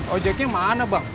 ojeknya mana bang